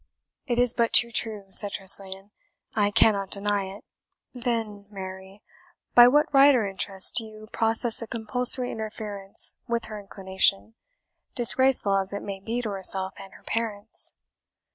"It is but too true," said Tressilian; "I cannot deny it." "Then, marry, by what right or interest do you process a compulsory interference with her inclination, disgraceful as it may be to herself and to her parents?